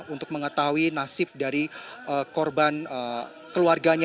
untuk mengetahui nasib dari korban keluarganya